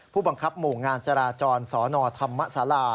ผู้บังคับหมู่งานจราจรสทมสารา